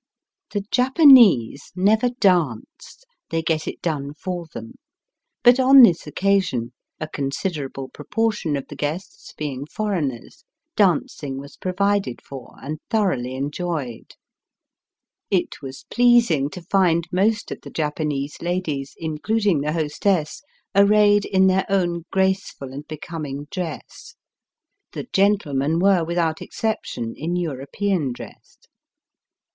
The Japanese never dance — they get it done for them. But on this occasion, a considerable proportion of the guests being foreigners, dancing was provided for and thoroughly enjoyed. It was pleasing to find most of the Japanese ladies, including the hostess, arrayed in their own graceful and becoming dress. The gentlemen were, with out exception, in European dress.